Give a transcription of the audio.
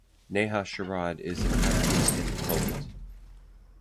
Neha Sharad is an actress and poet.